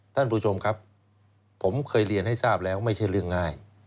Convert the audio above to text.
ท่านผู้ชมครับผมเคยเรียนให้ทราบแล้วไม่ใช่เรื่องง่าย